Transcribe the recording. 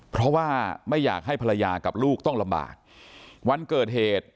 เพราะว่าไม่อยากให้ภรรยากับลูกต้องลำบากวันเกิดเหตุ